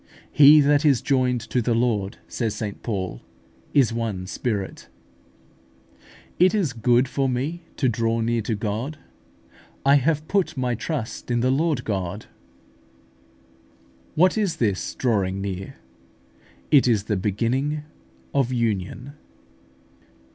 "He that is joined to the Lord," says St Paul, "is one spirit" (1 Cor. vi. 17). "It is good for me to draw near to God: I have put my trust in the Lord God" (Ps. lxxiii. 28). What is this "drawing near"? It is the beginning of union.